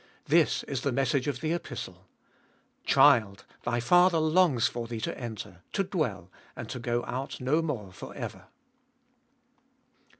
This is the message of the Epistle : Child ! thy Father longs for thee to enter, to dwell, and to go out no more for ever.